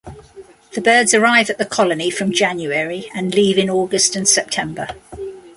The birds arrive at the colony from January and leave in August and September.